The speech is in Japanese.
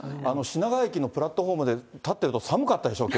品川駅のプラットホームで立ってると、寒かったでしょ？